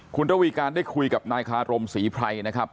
คุณระวีการได้คุยกับนายคารมศรีไพรนะครับ